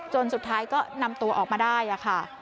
สุดท้ายก็นำตัวออกมาได้ค่ะ